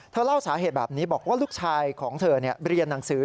เล่าสาเหตุแบบนี้บอกว่าลูกชายของเธอเรียนหนังสือ